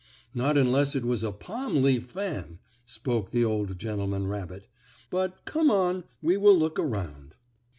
"Not unless it was a palm leaf fan," spoke the old gentleman rabbit. "But come on, we will look around."